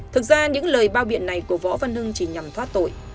thực ra những lời bao biện này của võ văn hưng chỉ nhằm thoát tội